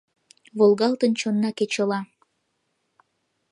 Волгалтын чонна кечыла.